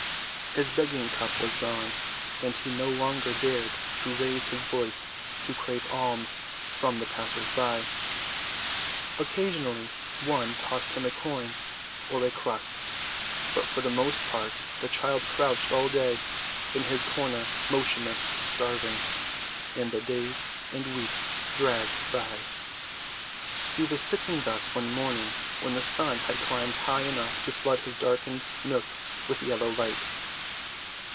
His begging‐cup was gone, and he no longer dared to raise his voice to crave alms from the passers‐by. Occasionally one tossed him a coin or a crust, but for the most part the child crouched all day in his corner motionless, starving. And the days and weeks dragged by. He was sitting thus one morning when the sun had climbed high enough to flood his darkened nook with yellow light.